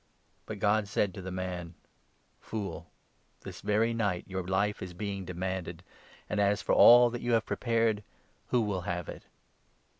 But God said to the man ' Fool ! This very night your life is being demanded ; and as for all that you have prepared — who will have it